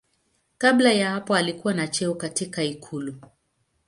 Kabla ya hapo alikuwa na cheo katika ikulu.